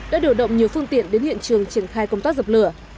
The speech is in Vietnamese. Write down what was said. đã điều động nhiều phương tiện đến hiện trường triển khai công tác dập lửa